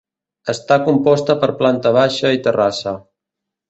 Està composta per planta baixa i terrassa.